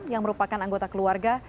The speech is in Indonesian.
yang merupakan anggota keluarga